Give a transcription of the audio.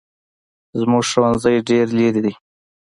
زموږ ښوونځی ډېر لري دی